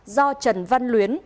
do trần văn luyến